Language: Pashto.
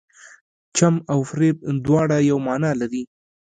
چم او فریب دواړه یوه معنی لري.